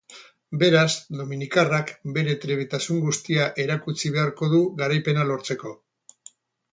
Beraz, dominikarrak bere trebetasun guztia erakutsi beharko du garaipena lortzeko.